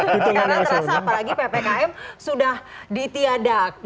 karena terasa apalagi ppkm sudah ditiadakan